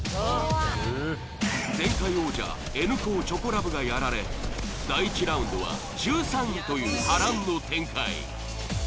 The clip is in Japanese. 前回王者Ｎ高Ｃｈｏｃｏｌｕｖがやられ第１ラウンドは１３位という波乱の展開。